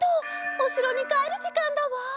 おしろにかえるじかんだわ。